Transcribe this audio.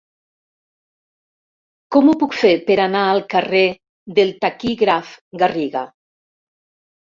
Com ho puc fer per anar al carrer del Taquígraf Garriga?